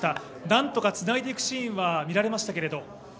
何度かつないでいくシーンは見られましたけど。